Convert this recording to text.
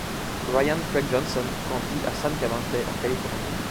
Rian Craig Johnson grandit à San Clemente en Californie.